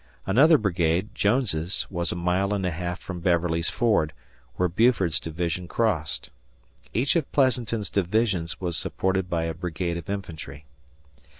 Another brigade, Jones's, was a mile and a half from Beverly's Ford, where Buford's division crossed. Each of Pleasanton's divisions was supported by a brigade of infantry.